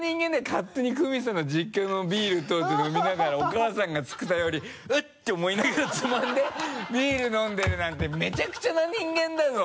勝手にクミさんの実家のビール取って飲みながらお母さんが作った料理「うっ」て思いながらつまんでビール飲んでるなんてめちゃくちゃな人間だぞ！